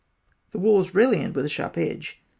The walls rarely end with a sharp edge.